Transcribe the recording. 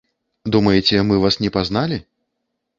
Думаеце, мы вас не пазналі?